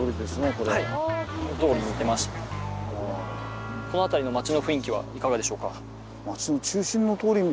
この辺りの町の雰囲気はいかがでしょうか？